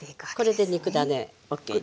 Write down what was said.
これで肉ダネＯＫね。